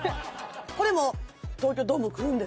これも東京ドーム来るんですか？